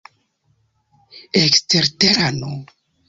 eksterterano